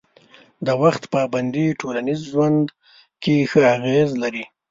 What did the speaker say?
د وخت پابندي ټولنیز ژوند کې ښه اغېز لري.